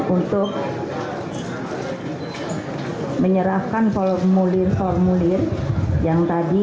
untuk menyerahkan formulir formulir yang tadi